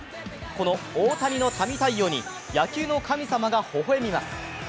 この大谷の神対応に野球の神様が微笑みます。